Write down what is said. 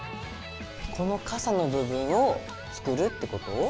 この傘の部分を作るってこと？